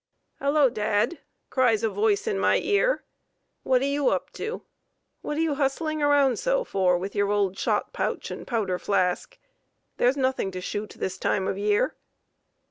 "Hello, dad," cries a voice in my ear, "what are you up to? What are you hustling around so for with your old shot pouch and powder flask? There's nothing to shoot this time of the year."